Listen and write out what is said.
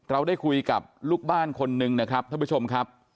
เราได้คุยกับลูกบ้านคนหนึ่งนะครับท่านผู้ชมครับ